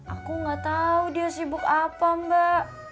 aku gak tau dia sibuk apa mbak